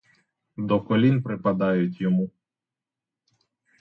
До колін припадають йому.